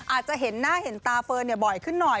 อาจจะเห็นหน้าเห็นตาเฟิร์นบ่อยขึ้นหน่อย